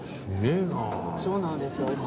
そうなんですよ